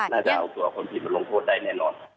น่าจะเอาตัวคนผิดมาลงโทษได้แน่นอน